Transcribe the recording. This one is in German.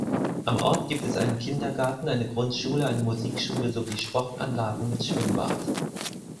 Am Ort gibt es einen Kindergarten, eine Grundschule, eine Musikschule sowie Sportanlagen mit Schwimmbad.